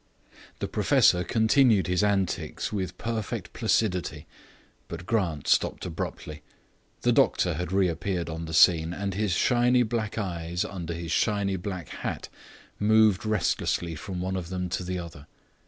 The professor continued his antics with perfect placidity, but Grant stopped abruptly. The doctor had reappeared on the scene, and his shiny black eyes, under his shiny black hat, moved restlessly from one of them to the other.